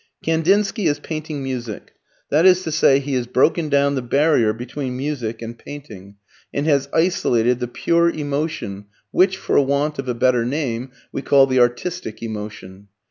Kandinsky is painting music. That is to say, he has broken down the barrier between music and painting, and has isolated the pure emotion which, for want of a better name, we call the artistic emotion.